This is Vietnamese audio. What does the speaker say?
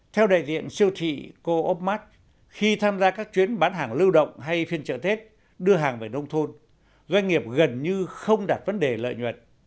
theo đại diện siêu thị co opmart khi tham gia các chuyến bán hàng lưu động hay phiên chợ tết đưa hàng về nông thôn doanh nghiệp gần như không đặt vấn đề lợi nhuận